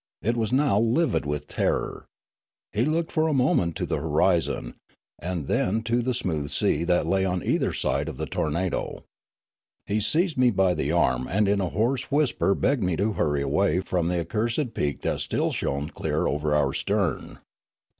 It was now livid with terror. He looked for a moment to the horizon, and then to the smooth sea that la}' on either side of the tornado. He seized me by the arm and in a hoarse whisper begged me to hurry away from the accursed peak that still shone clear over our stern.